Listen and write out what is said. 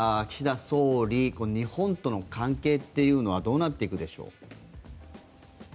岸田総理日本との関係というのはどうなっていくでしょう。